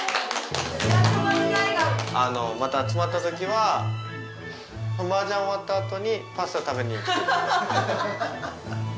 また集まったときはマージャン終わったあとにパスタ食べに。